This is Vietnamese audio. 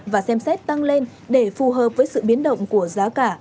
và xem xét tăng lên để phù hợp với sự biến động của giá cả